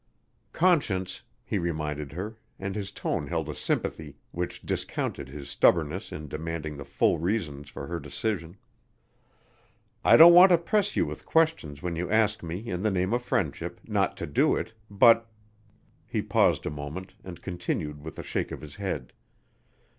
"Conscience," he reminded her, and his tone held a sympathy which discounted his stubbornness in demanding the full reasons for her decision, "I don't want to press you with questions when you ask me, in the name of friendship, not to do it ... but " He paused a moment and continued with a shake of his head.